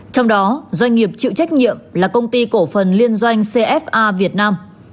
trong đó doanh nghiệp chịu trách nhiệm là công ty cổ phần liên doanh cfa việt nam